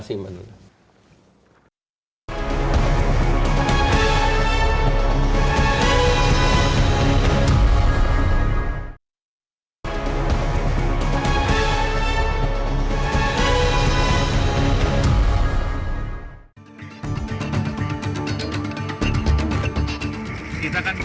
terima kasih mbak dito